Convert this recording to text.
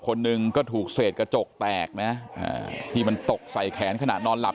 คนหนึ่งก็ถูกเศษกระจกแตกนะที่มันตกใส่แขนขณะนอนหลับ